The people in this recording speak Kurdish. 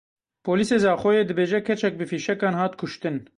Polîsê Zaxoyê dibêje keçek bi fîşekan hat kuştin.